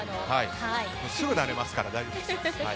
すぐに慣れますから大丈夫です。